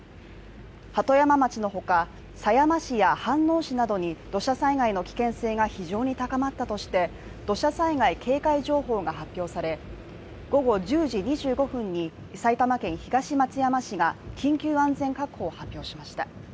鳩山町のほか、狭山市や飯能市などに土砂災害の危険性が非常に高まったとして、土砂災害警戒情報が発表され午後１０時２５分に、埼玉県東松山市が緊急安全確保を発表しました。